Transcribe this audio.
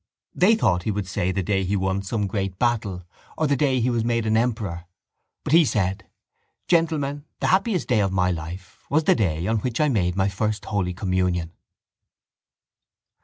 They thought he would say the day he won some great battle or the day he was made an emperor. But he said: —Gentlemen, the happiest day of my life was the day on which I made my first holy communion.